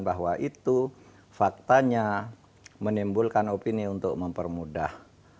bahwa itu faktanya menimbulkan opini untuk mempermudah